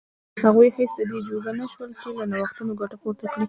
هغوی هېڅ د دې جوګه نه شول چې له نوښتونو ګټه پورته کړي.